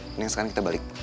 mending sekarang kita balik yuk